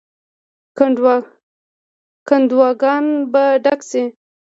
کندوګان به ډک شي.